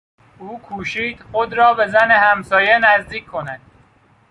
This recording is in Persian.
او کوشید خود را به زن همسایه نزدیک کند.